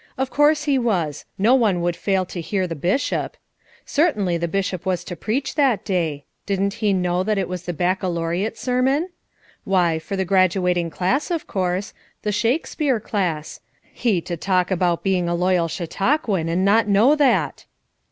Of course he was; no one would fail to hear the Bishop. Certainly the Bishop was to preach that day. Didn't he know that it was the Bac calaureate sermon? Why, for the graduating class of course; the Shakespeare class; he to talk about heing a loyal Chautauquan and not know that